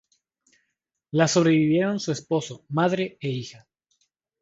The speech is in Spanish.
La sobrevivieron su esposo, madre, e hija.